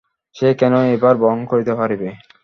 সে কেন এ ভার বহন করিতে পরিবে?